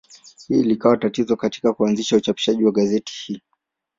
Hili likawa tatizo katika kuanzisha uchapishaji wa gazeti hili.